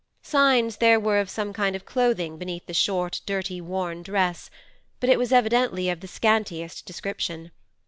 Signs there were of some kind of clothing beneath the short, dirty, worn dress, but it was evidently of the scantiest description.